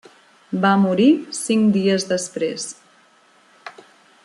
Va morir cinc dies després.